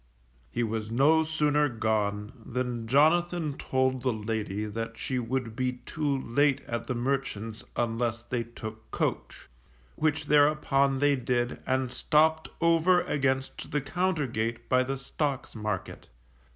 He was no sooner gone than Jonathan told the lady that she would be too late at the merchant's unless they took coach; which thereupon they did, and stopped over against the Compter gate by the Stocks Market.